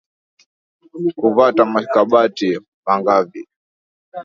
Kuvata makabati mangavi?